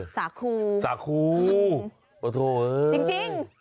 สาคูสาคูโอ้โธ่เอ้ยจริง